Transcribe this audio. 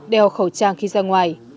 đeo khẩu trang khi ra ngoài